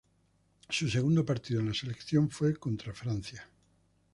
Su segundo partido en la selección fue contra Francia.